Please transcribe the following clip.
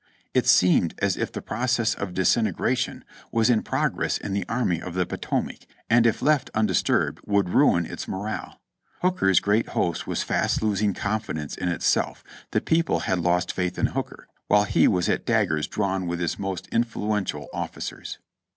It seemed as if the process of disintegration was in progress in the Army of the Potomac, and if left undisturbed would ruin its morale. Hooker's great host was fast losing confidence in itself, the people had lost faith in Hooker, while he was at daggers drawn with his most influential officers.